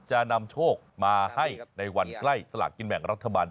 จะนำโชคมาให้ในวันใกล้สลากกินแบ่งรัฐบาล